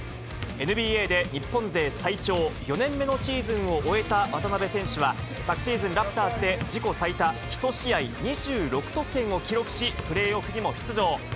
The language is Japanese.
ＮＢＡで日本勢最長４年目のシーズンを終えた渡邊選手は、昨シーズン、ラプターズで、自己最多１試合２６得点を記録し、プレーオフにも出場。